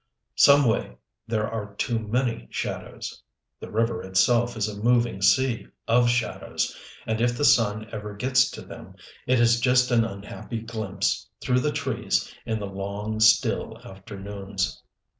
Some way, there are too many shadows. The river itself is a moving sea of shadows; and if the sun ever gets to them, it is just an unhappy glimpse through the trees in the long, still afternoons.